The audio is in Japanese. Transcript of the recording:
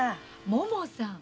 ももさん。